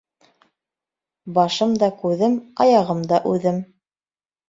Башым да күҙем, аяғым да үҙем.